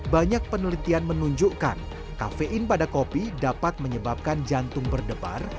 banyak penelitian menunjukkan kafein pada kopi dapat menyebabkan jantung berdebar